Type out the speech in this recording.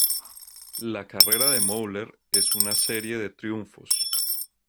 La carrera de Moeller es una serie de triunfos.